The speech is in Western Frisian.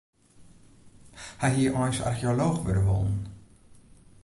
Hy hie eins archeolooch wurde wollen.